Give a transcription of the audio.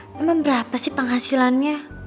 memang berapa sih penghasilannya